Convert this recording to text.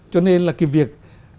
cho nên là cái việc